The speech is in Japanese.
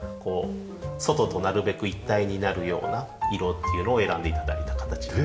外となるべく一体になるような色っていうのを選んで頂いた形です。